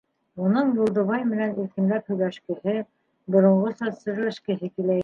Уның Юлдыбай менән иркенләп һөйләшкеһе, боронғоса серләшкеһе килә ине.